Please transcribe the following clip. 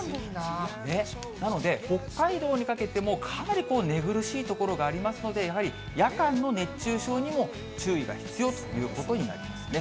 なので、北海道にかけてもかなり寝苦しいところがありますので、やはり夜間の熱中症にも注意が必要ということになりますね。